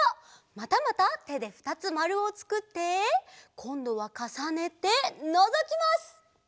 またまたてでふたつまるをつくってこんどはかさねてのぞきます！